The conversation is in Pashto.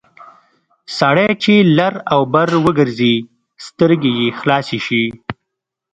سړی چې لر او بر وګرځي سترګې یې خلاصې شي...